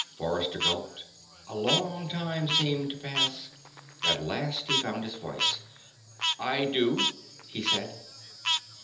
Forrester gulped. A long time seemed to pass. At last he found his voice. "I do," he said.